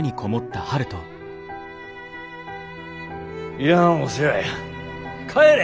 いらんお世話や帰れ！